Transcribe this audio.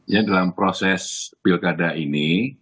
ya dalam proses pilkada ini